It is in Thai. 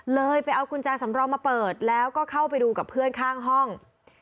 เลยไปเอากุญแจสำรองมาเปิดแล้วก็เข้าไปดูกับเพื่อนข้างห้อง